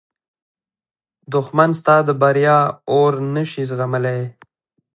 دښمن ستا د بریا اور نه شي زغملی